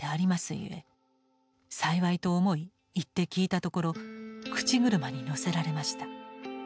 ゆえ幸いと思い行って聞いたところ口車にのせられました。